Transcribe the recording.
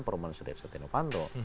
perumahan sudara setia novanto